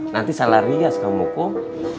nanti salah rias kamu kok